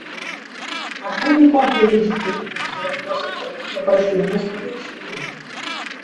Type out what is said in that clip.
Acabe com a perda de tempo usando nossa técnica para ser mais produtivo